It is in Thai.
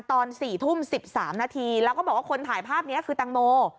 ตอน๔ทุ่ม๑๓นาทีแล้วก็บอกว่าคนถ่ายภาพนี้คือตังโม